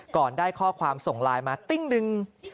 ได้ข้อความส่งไลน์มาติ้งนึง